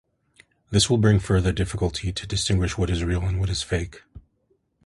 This will bring further difficulty to distinguishing what is real and what is fake.